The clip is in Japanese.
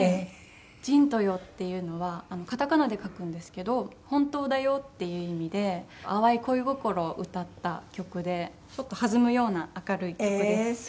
「ジントーヨー」っていうのは片仮名で書くんですけど「本当だよ」っていう意味で淡い恋心を歌った曲でちょっと弾むような明るい曲です。